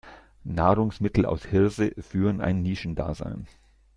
Nahrungsmittel aus Hirse führen ein Nischendasein.